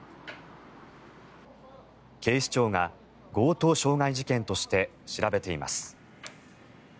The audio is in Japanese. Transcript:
警視庁が強盗傷害事件として調べています。